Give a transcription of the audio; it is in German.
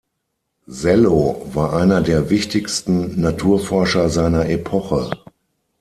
Sello war einer der wichtigsten Naturforscher seiner Epoche.